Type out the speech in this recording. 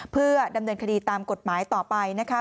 เพื่อดำเนินคดีตามกฎหมายต่อไปนะคะ